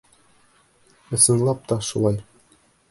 Ысынлап та, шулай.